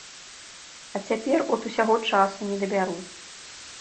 А цяпер от усё часу не дабяру.